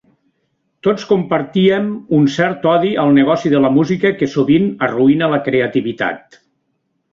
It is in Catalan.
Tots compartíem un cert odi al negoci de la música que sovint arruïna la creativitat.